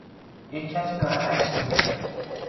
یک کسی دارد عکس می گیرد.